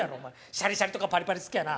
シャリシャリとかパリパリ好きやな！